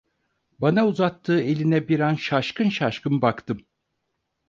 Bana uzattığı eline bir an şaşkın şaşkın baktım.